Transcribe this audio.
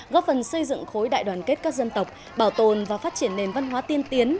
góp phần xây dựng khối đại đoàn kết các dân tộc bảo tồn và phát triển nền văn hóa tiên tiến